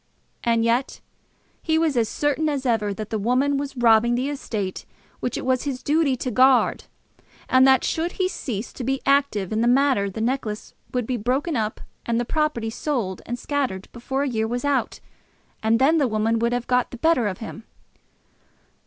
And yet he was as certain as ever that the woman was robbing the estate which it was his duty to guard, and that should he cease to be active in the matter, the necklace would be broken up and the property sold and scattered before a year was out, and then the woman would have got the better of him!